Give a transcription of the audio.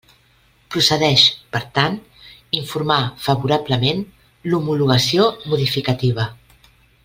Procedeix, per tant, informar favorablement l'homologació modificativa.